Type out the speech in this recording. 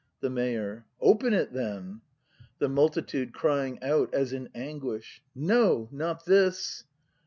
The Mayor. Open it then! The Multitude. [Crying out as in anguish.] No! Not this!